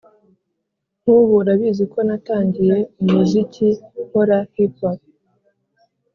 nk’ubu urabizi ko natangiye umuziki nkora “hip hop”